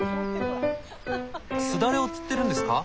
すだれをつってるんですか？